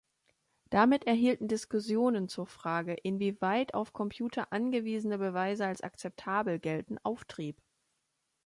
Damit erhielten Diskussionen zur Frage, inwieweit auf Computer angewiesene Beweise als akzeptabel gelten, Auftrieb.